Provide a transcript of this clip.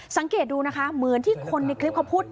สังเกตดูนะคะเหมือนที่คนในคลิปเขาพูด